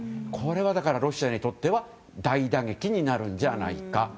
これはロシアにとっては大打撃になるんじゃないか。